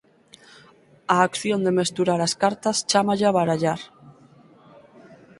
Á acción de mesturar as cartas chámalla barallar.